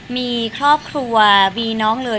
มีครอบครัวมีน้องเลย